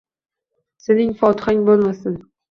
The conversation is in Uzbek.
–Sening fotihang bo’lmasin?